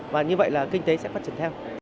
và như vậy là kinh tế sẽ phát triển theo